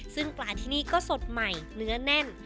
ซึ่งปลาที่นี่ก็สดใหม่เนื้อแน่น